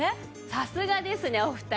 さすがですねお二人。